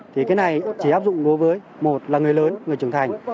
thì cái này chỉ áp dụng đối với một là người lớn người trưởng thành